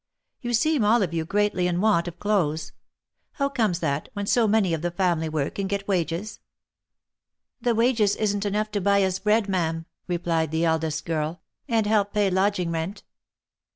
You seem all of you greatly in want of clothes. How comes that, when so many of the family work, and get wages V "The wages isn't enough to buy us bread, ma'am," replied the eldest girl, and help pay lodging rent.